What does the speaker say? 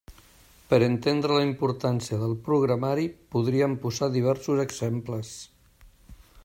Per entendre la importància del programari podríem posar diversos exemples.